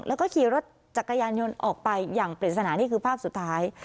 และขี่รถจากกระยานยนต์ออกไปเปรียบสนานนี้คือภาพสุดท้าย